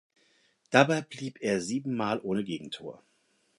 Dabei blieb er siebenmal ohne Gegentor.